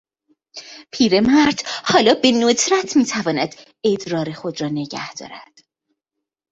پیرمرد حالا به ندرت میتواند ادرار خود را نگهدارد.